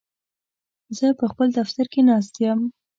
زه په خپل دفتر کې ناست یم.